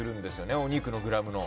お肉のグラムの。